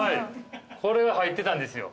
これが入ってたんですよ。